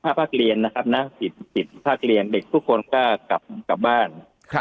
พอพอหลังหลังจากที่เราเราปิดภาคเรียนนะครับน่ะติดติดภาคเรียนเด็กทุกคนก็กลับกลับบ้านครับ